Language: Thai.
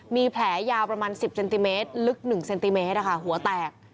มีแผลยาวประมาณ๑๐เซนติเมตรลึก๑เซนติเมตรหัวแตก